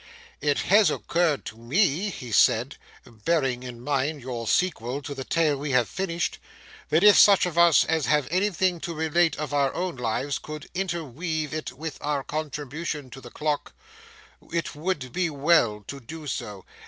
'It has occurred to me,' he said, 'bearing in mind your sequel to the tale we have finished, that if such of us as have anything to relate of our own lives could interweave it with our contribution to the Clock, it would be well to do so.